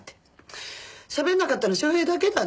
しゃべんなかったの昌平だけだね。